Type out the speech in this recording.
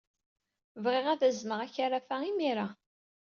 Bɣiɣ ad azneɣ akaraf-a imir-a.